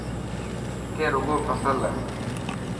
اٿي رڳو فصل هي.